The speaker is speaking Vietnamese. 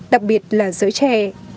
đặc biệt là giới trẻ